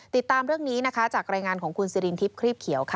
ติดตามเรื่องนี้นะคะจากรายงานของคุณสิรินทิพย์ครีบเขียวค่ะ